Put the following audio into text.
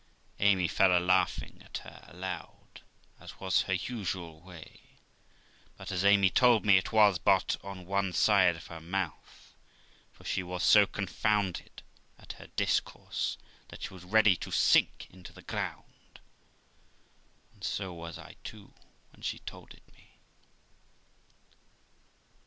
Amy fell a laughlng at her aloud, as was her usual way; but, as Amy told me, it was but on one side of her mouth, for she was so confounded at her discourse, that she was ready to sink into the ground ; and so was I too when she told it me.